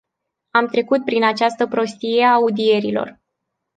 Am trecut prin această prostie a audierilor.